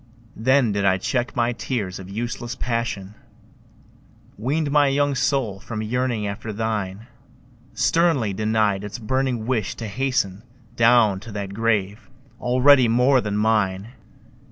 Then did I check my tears of useless passion, Weaned my young soul from yearning after thine, Sternly denied its burning wish to hasten Down to that grave already more than mine!